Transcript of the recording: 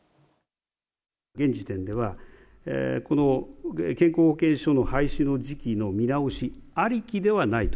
現時点では、この健康保険証の廃止の時期の見直しありきではないと。